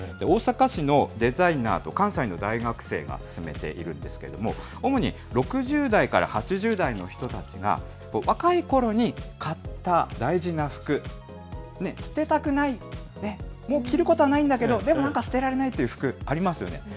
大阪市のデザイナーと関西の大学生が進めているんですけれども、主に６０代から８０代の人たちが、若いころに買った大事な服、捨てたくない、もう着ることはないんだけど、でもなんか捨てられないという服ありますよね。